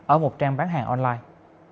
ở một trang bán hàng online